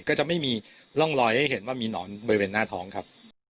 ก็จะไม่มีร่องรอยให้เห็นว่ามีหนอนบริเวณหน้าท้องครับ